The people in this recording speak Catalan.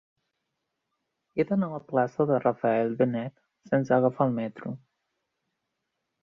He d'anar a la plaça de Rafael Benet sense agafar el metro.